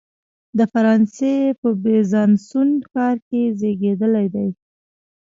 د فرانسې په بیزانسوون ښار کې زیږېدلی دی.